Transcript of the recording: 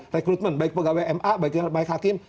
rekrutmen baik pegawai ma baiknya baik hakim